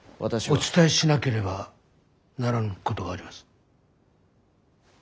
お伝えしなければならんことがあります。